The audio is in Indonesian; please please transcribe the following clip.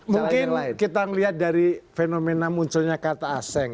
mungkin kita lihat dari fenomena munculnya kata asing